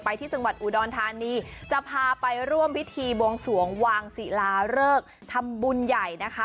ที่จังหวัดอุดรธานีจะพาไปร่วมพิธีบวงสวงวางศิลาเริกทำบุญใหญ่นะคะ